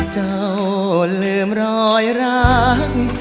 เจ้าลืมรอยร้าง